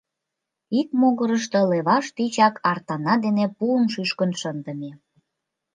Ик могырышто леваш тичак артана дене пуым шӱшкын шындыме.